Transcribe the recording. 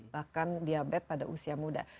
bahkan diabetes pada usia muda